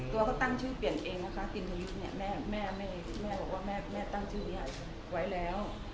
ตัวก็ตั้งชื่อเปลี่ยนเองนะคะตินทยุทธ์เนี้ยแม่แม่แม่บอกว่าแม่แม่ตั้งชื่อให้ไหวแล้ว